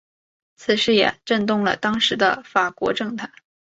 此事也震动了当时的法国政坛。